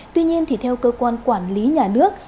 tuy nhiên thì theo cơ quan quản lý nhà nước